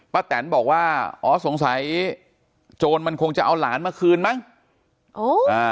แตนบอกว่าอ๋อสงสัยโจรมันคงจะเอาหลานมาคืนมั้งโอ้อ่า